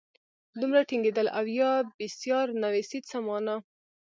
دومره ټینګېدل او یا بېسیار نویسي څه مانا.